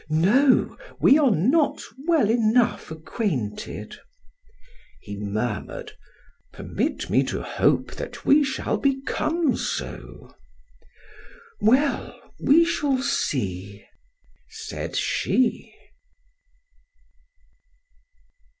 "No, we are not well enough acquainted." He murmured: "Permit me to hope that we shall become so." "Well, we shall see," said she.